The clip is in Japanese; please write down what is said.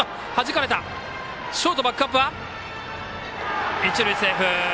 ショートのバックアップは一塁、セーフ。